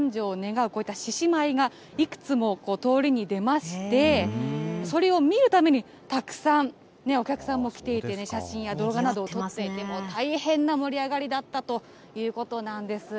こちら、商売繁盛を願うこういった獅子舞が、いくつも通りに出まして、それを見るために、たくさん、お客さんも来ていてね、写真や動画などを撮っていて、もう大変な盛り上がりだったということなんです。